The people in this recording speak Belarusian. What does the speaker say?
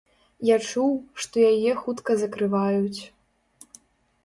Я чуў, што яе хутка закрываюць.